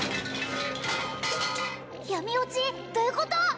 どういうこと？